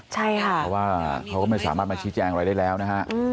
ใช่ค่ะเพราะว่าเขาก็ไม่สามารถมาชี้แจงอะไรได้แล้วนะฮะ